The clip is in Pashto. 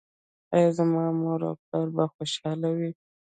ایا زما مور او پلار به خوشحاله وي؟